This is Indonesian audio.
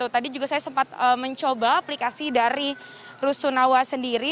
tadi juga saya sempat mencoba aplikasi dari rusunawa sendiri